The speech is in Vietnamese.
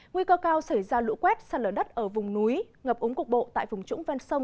nguy cơ cao xảy ra lũ quét sạt lở đất ở vùng núi ngập ống cục bộ tại vùng trũng ven sông